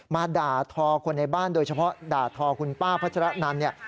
มาด่าทอคนในบ้านโดยเฉพาะด่าทอคุณป้าพัชรนันเนี่ย